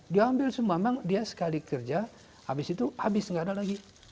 diambil semua memang dia sekali kerja habis itu habis nggak ada lagi